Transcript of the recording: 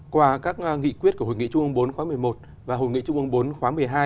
qua các nghị quyết của hội nghị trung ương bốn khóa một mươi một và hội nghị trung ương bốn khóa một mươi hai